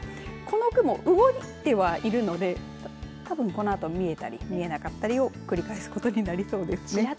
この雲、動いてはいるのでたぶん、このあと見えたり見えなかったりを繰り返すことになりそうですね。